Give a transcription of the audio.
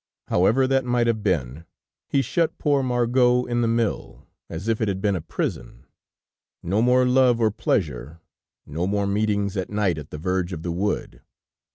However that might have been, he shut poor Margot in the mill as if it had been a prison. No more love or pleasure, no more meetings at night at the verge of the wood.